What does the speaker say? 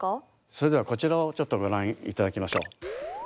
それではこちらをちょっとご覧いただきましょう。